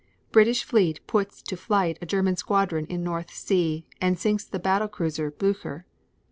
British fleet puts to flight a German squadron in North Sea and sinks the battle cruiser Blucher.